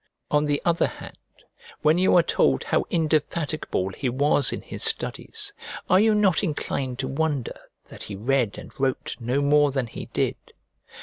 On the other hand, when you are told how indefatigable he was in his studies, are you not inclined to wonder that he read and wrote no more than he did?